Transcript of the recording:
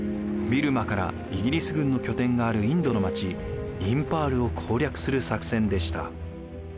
ビルマからイギリス軍の拠点があるインドの町インパールを攻略する作戦でした。